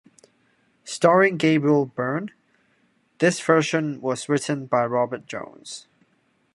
Starring Gabriel Byrne, this version was written by Robert Jones.